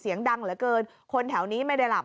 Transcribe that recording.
เสียงดังเหลือเกินคนแถวนี้ไม่ได้หลับ